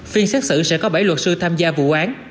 phiên xét xử sẽ có bảy luật sư tham gia vụ án